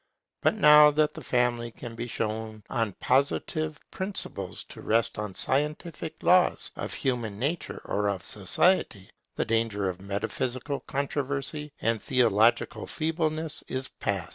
But now that the Family can be shown on Positive principles to rest on scientific laws of human nature or of society, the danger of metaphysical controversy and theological feebleness is past.